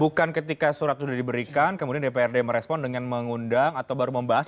bukan ketika surat sudah diberikan kemudian dprd merespon dengan mengundang atau baru membahas